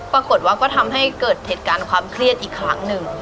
ปรากฏว่าก็ทำให้เกิดเหตุการณ์ความเครียดอีกครั้งหนึ่ง